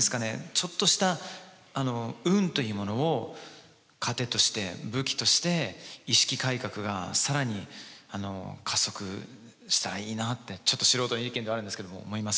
ちょっとした運というものを糧として武器として意識改革が更に加速したらいいなってちょっと素人の意見ではあるんですけど思いますけどもね。